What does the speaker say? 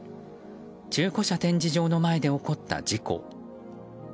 中古車展示場の前で起こった事故。